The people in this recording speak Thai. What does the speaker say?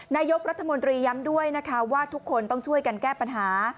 นายกรัฐมนตรีย้ำด้วยนะคะว่าทุกคนต้องช่วยกันแก้ปัญหา